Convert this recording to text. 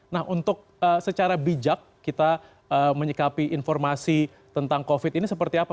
nah untuk secara bijak kita menyikapi informasi tentang covid ini seperti apa